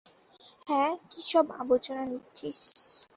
হ্যা, কি সব আবর্জনা নিচ্ছিস?